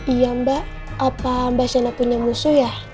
iya mbak apa mbak shana punya musuh ya